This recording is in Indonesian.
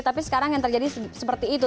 tapi sekarang yang terjadi seperti itu